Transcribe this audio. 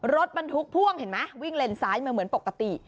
รถบรรทุกพ่วงเห็นไหมวิ่งเลนซ้ายมาเหมือนปกติ